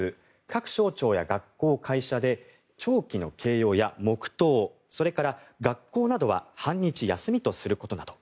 各省庁や学校・会社で弔旗の掲揚や黙祷それから学校などは半日休みとすることなど。